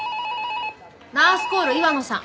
ナースコール岩野さん。